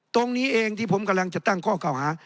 ตรงนี้เองที่ผมกำลังจะตั้งข้อเก่าหา